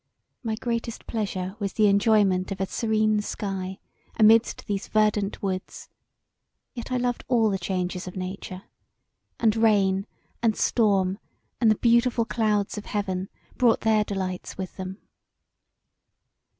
My greatest pleasure was the enjoyment of a serene sky amidst these verdant woods: yet I loved all the changes of Nature; and rain, and storm, and the beautiful clouds of heaven brought their delights with them.